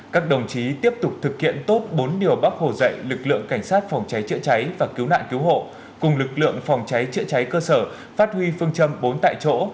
các đồng chí tiếp tục thực hiện tốt bốn điều bác hồ dạy lực lượng cảnh sát phòng cháy chữa cháy và cứu nạn cứu hộ cùng lực lượng phòng cháy chữa cháy cơ sở phát huy phương châm bốn tại chỗ